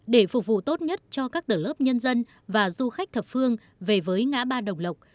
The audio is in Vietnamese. để phục vụ tốt nhất cho các tầng lớp nhân dân và du khách thập phương về với ngã ba đồng lộc